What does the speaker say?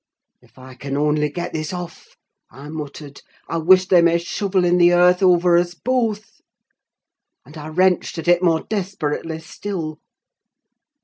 'If I can only get this off,' I muttered, 'I wish they may shovel in the earth over us both!' and I wrenched at it more desperately still.